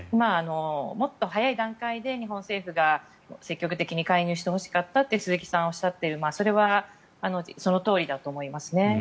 もっと早い段階で日本政府が積極的に介入してほしかったと鈴木さんはおっしゃっていてそれはそのとおりだと思いますね。